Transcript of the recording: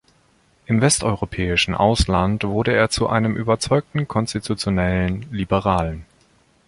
Im westeuropäischen Ausland wurde er zu einem überzeugten konstitutionellen Liberalen.